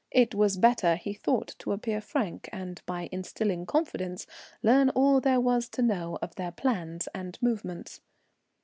It was better, he thought, to appear frank, and, by instilling confidence, learn all there was to know of their plans and movements.